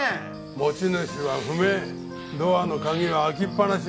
持ち主は不明ドアの鍵は開きっ放し。